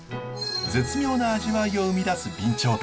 絶妙な味わいを生み出す備長炭。